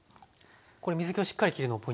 これ水けをしっかり切るのポイントですか？